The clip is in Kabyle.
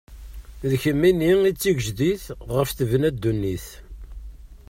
D kemmini i d tigejdit, ɣef tebna ddunit.